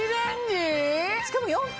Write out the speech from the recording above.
しかも４分！